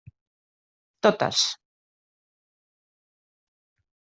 Totes.